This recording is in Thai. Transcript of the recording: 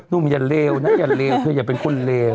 นุ่มอย่าเลวนะอย่าเป็นคนเลว